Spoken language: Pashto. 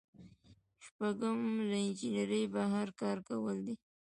شپږم له انجنیری بهر کار کول دي.